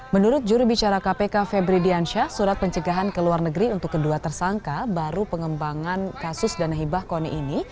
menurut juru bicara kpk febri diansyah surat pencegahan ke luar negeri untuk kedua tersangka baru pengembangan kasus dana hibah koni ini